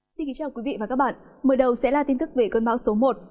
xin kính chào quý vị và các bạn mở đầu sẽ là tin tức về cơn bão số một